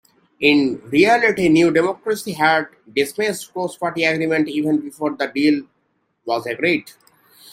In reality New Democracy had dismissed cross-party agreement even before the deal was agreed.